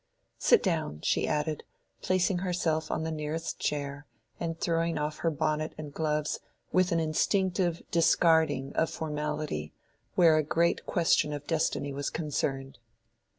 "Sit down," she added, placing herself on the nearest chair, and throwing off her bonnet and gloves, with an instinctive discarding of formality where a great question of destiny was concerned.